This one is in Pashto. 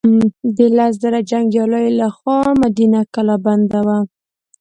د لس زره جنګیالیو له خوا مدینه کلا بنده وه.